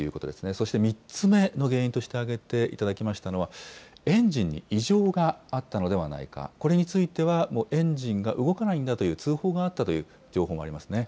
そして３つ目の原因として挙げていただきましたのは、エンジンに異常があったのではないか、これについては、もうエンジンが動かないんだという通報があったという情報もありますね。